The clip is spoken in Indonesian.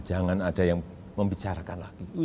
jangan ada yang membicarakan lagi